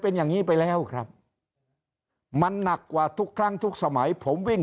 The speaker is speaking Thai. เป็นอย่างนี้ไปแล้วครับมันหนักกว่าทุกครั้งทุกสมัยผมวิ่ง